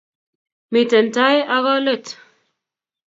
miten tai ago leet